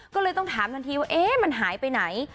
ก็เลยต้องถามทันทีว่ามันหายไปไหน